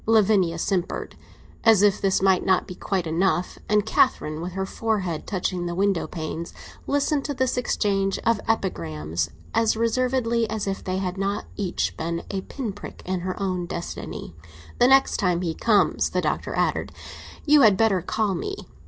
Lavinia simpered, as if this might not be quite enough, and Catherine, with her forehead touching the window panes, listened to this exchange of epigrams as reservedly as if they had not each been a pin prick in her own destiny. "The next time he comes," the Doctor added, "you had better call me.